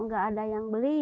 enggak ada yang beli